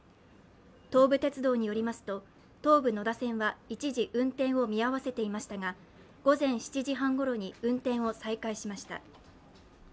東武鉄道によりますと東武野田線は一時運転を見合わせていましたが午前７時半ごろに運転を再開しました。